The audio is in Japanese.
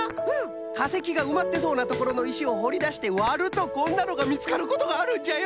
かせきがうまってそうなところのいしをほりだしてわるとこんなのがみつかることがあるんじゃよ。